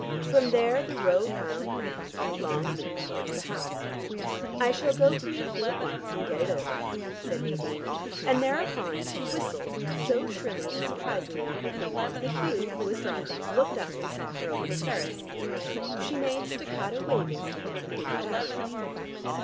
From there the road wound round in a long loop towards the house. "I shall go to meet Hugh at once, and get it over," said Nadine; and thereupon she whistled so shrilly and surprisingly on her fingers, that Hugh, who was driving, looked up and saw her over the terrace. She made staccato wavings to him, and he got out.